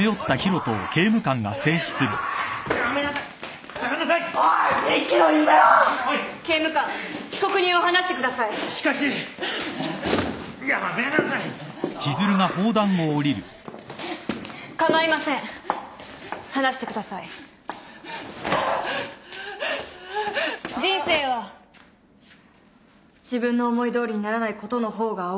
人生は自分の思いどおりにならないことの方が多い。